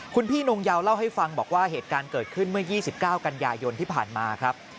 คุณพี่นงเยาเล่าให้ฟังบอกว่าเหตุการณ์เกิดขึ้นเมื่อ๒๙กันยายนที่ผ่านมาครับ